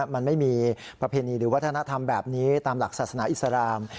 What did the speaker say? มันไม่มีประเพณีหรือวัฒนธรรมแบบนี้ตามหลักศาสนาอิสราม